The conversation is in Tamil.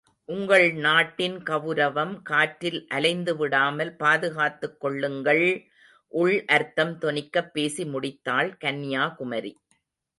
உங்கள் நாட்டின் கவுரவம் காற்றில் அலைந்துவிடாமல், பாதுகாத்துக் கொள்ளுங்கள்! உள் அர்த்தம் தொனிக்கப் பேசி முடித்தாள் கன்யாகுமரி.